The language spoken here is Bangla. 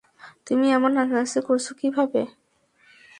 তুমি এমন নাচানাচি করছ কীভাবে?